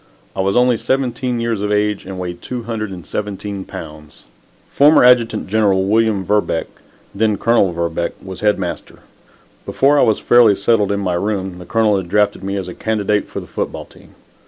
I was only seventeen years of age and weighed 217 pounds. Former Adjutant General William Verbeck then Colonel Verbeck was Head Master. Before I was fairly settled in my room, the Colonel had drafted me as a candidate for the football team.